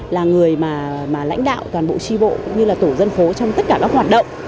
là người mà lãnh đạo toàn bộ tri bộ cũng như là tổ dân phố trong tất cả các hoạt động